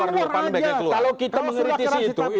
kalau kita mengkritisi itu